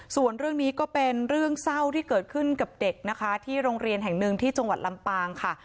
ส่วนเรื่องนี้ก็เป็นเรื่องเศร้าที่เกิดขึ้นกับเด็กนะคะที่โรงเรียนแห่งหนึ่งที่จังหวัดลำปางค่ะ